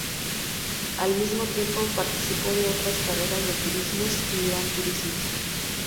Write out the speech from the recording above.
Al mismo tiempo participó de otras carreras de turismos y gran turismos.